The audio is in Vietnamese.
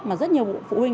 mà rất nhiều phụ huynh